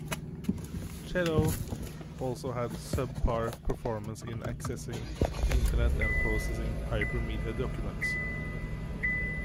Cello also had sub-par performance in accessing the Internet and processing hypermedia documents.